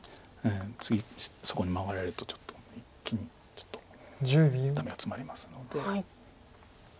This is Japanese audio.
次そこに守られると一気にちょっとダメがツマりますので。